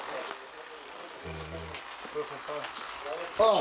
あ